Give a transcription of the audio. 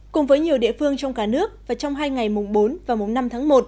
cùng với nhiều địa phương trong cả nước và trong hai ngày mùng bốn và mùng năm tháng một